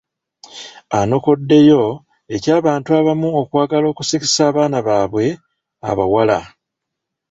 Anokoddeyo eky'abantu abamu okwagala okusikisa abaana baabwe abawala.